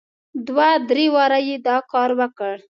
دوه درې واره یې دا کار وکړ.